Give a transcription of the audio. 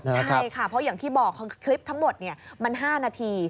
ใช่ค่ะเพราะอย่างที่บอกคลิปทั้งหมดมัน๕นาที